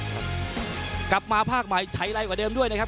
กลับมาภาคใหม่ใช้ไรกว่าเดิมด้วยนะครับ